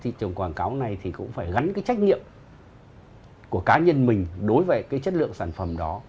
thị trường quảng cáo này thì cũng phải gắn cái trách nhiệm của cá nhân mình đối với cái chất lượng sản phẩm đó